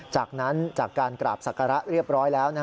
จากนั้นจากการกราบศักระเรียบร้อยแล้ว